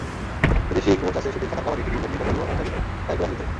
বিদেশি কোচ আছে শুটিং, সাঁতার, kabaddi, TT, badminton, volleyball, archery, তায়কোয়ান্দোতে।